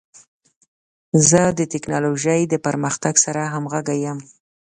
زه د ټکنالوژۍ د پرمختګ سره همغږی یم.